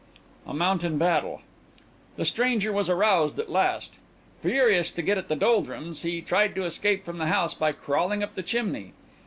A MOUNTAIN BATTLE The stranger was aroused at last. Furious to get at the Doldrums, he tried to escape from the house by crawling up the chimney.